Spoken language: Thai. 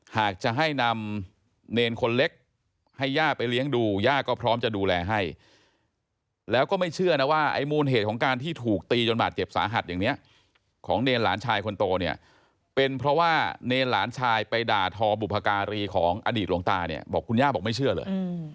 หากจะให้นำเนรคนเล็กให้ย่าไปเลี้ยงดูย่าก็พร้อมจะดูแลให้แล้วก็ไม่เชื่อนะว่าไอ้มูลเหตุของการที่ถูกตีจนบาดเจ็บสาหัสอย่างนี้ของเนรหลานชายคนโตเนี่ยเป็นเพราะว่าเนรหลานชายไปด่าทอบุพการีของอดีตหลวงตาเนี่ยบอกคุณย่าบอกไม่เชื่อเลย